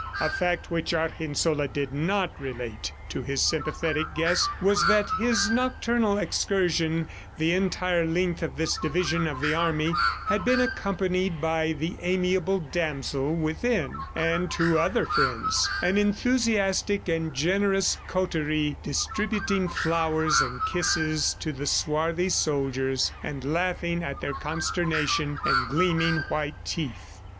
A fact which Argensola did not relate to his sympathetic guest was that his nocturnal excursion the entire length of this division of the army had been accompanied by the amiable damsel within, and two other friends an enthusiastic and generous coterie, distributing flowers and kisses to the swarthy soldiers, and laughing at their consternation and gleaming white teeth.